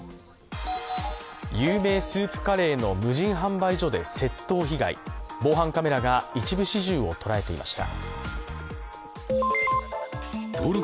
有名スープカレーの販売所で窃盗被害、防犯カメラが一部始終を捉えていました。